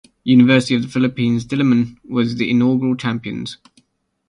University of the Philippines Diliman was the inaugural champions.